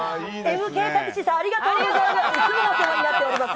ＭＫタクシーさん、ありがとうございます。